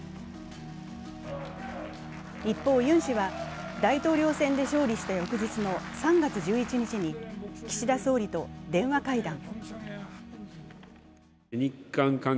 一方、ユン氏は大統領選で勝利した翌日の３月１１日に岸田総理と電話会談。